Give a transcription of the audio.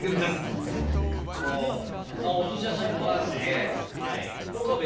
おすし屋さんいっぱいある。